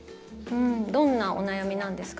どんなお悩みなんですか？